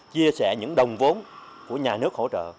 chia sẻ những đồng vốn của nhà nước hỗ trợ